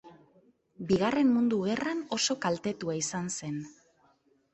Bigarren Mundu Gerran oso kaltetua izan zen.